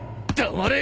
黙れ！